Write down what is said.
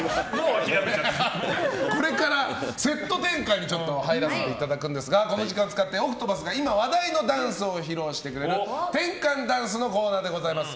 これから、セット転換に入らせていただくんですがこの時間使ってＯＣＴＰＡＴＨが今話題のダンスを披露してくる転換ダンスのコーナーです。